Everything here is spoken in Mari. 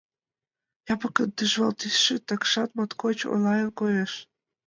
Япыкын тӱжвал тӱсшӧ такшат моткоч оҥайын коеш.